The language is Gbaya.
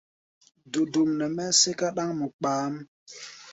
Dodom nɛ mɛ́ sɛ́ká ɗáŋmɔ kpaáʼm.